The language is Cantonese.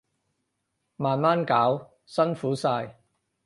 慢慢搞，辛苦晒